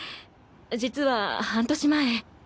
実は半年前。